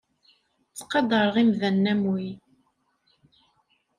Ttqadareɣ imdanen am wi.